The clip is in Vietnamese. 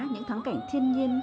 những thắng cảnh thiên nhiên